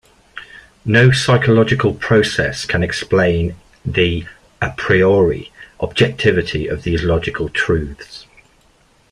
No psychological process can explain the "a priori" objectivity of these logical truths.